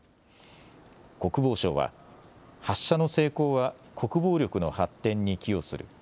国防省は発射の成功は国防力の発展に寄与する。